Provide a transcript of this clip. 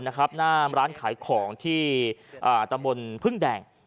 หน้าร้านขายของที่ตำบลพึ่งแดง